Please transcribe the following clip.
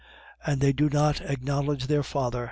"And they do not acknowledge their father!"